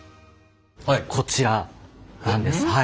こちらなんですはい。